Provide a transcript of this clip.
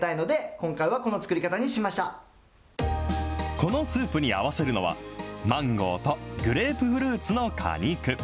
このスープに合わせるのは、マンゴーとグレープフルーツの果肉。